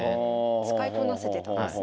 使いこなせてたんですね。